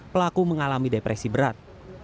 pelaku mengalami depresi berat